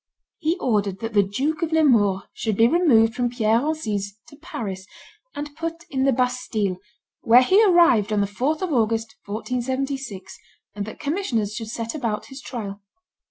He ordered that the Duke of Nemours should be removed from Pierre Encise to Paris, and put in the Bastille, where he arrived on the 4th of August, 1476, and that commissioners should set about his trial.